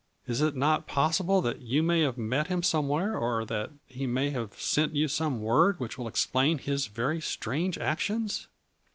Is it not possible that you may have met him somewhere, or that he may have sent you some word which will ex plain his very strange actions